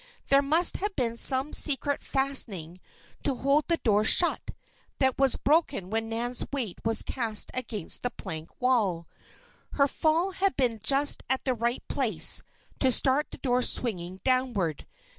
There must have been some secret fastening to hold the door shut, that was broken when Nan's weight was cast against the plank wall. Her fall had been just at the right place to start the door swinging downward.